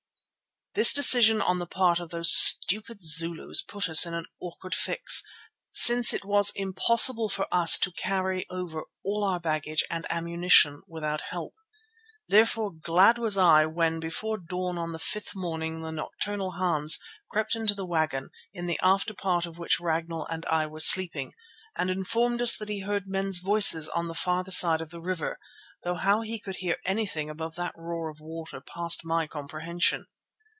This decision on the part of those stupid Zulus put us in an awkward fix, since it was impossible for us to carry over all our baggage and ammunition without help. Therefore glad was I when before dawn on the fifth morning the nocturnal Hans crept into the wagon, in the after part of which Ragnall and I were sleeping, and informed us that he heard men's voices on the farther side of the river, though how he could hear anything above that roar of water passed my comprehension.